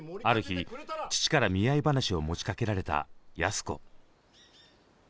ある日父から見合い話を持ちかけられた安子。